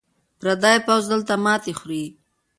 پردی پوځ دلته ماتې خوري.